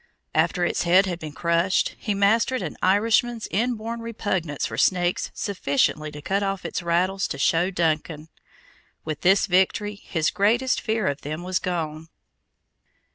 After its head had been crushed, he mastered an Irishman's inborn repugnance for snakes sufficiently to cut off its rattles to show Duncan. With this victory, his greatest fear of them was gone.